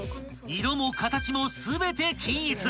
［色も形も全て均一］